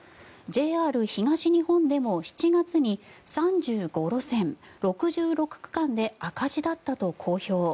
ＪＲ東日本でも７月に３５路線６６区間で赤字だったと公表。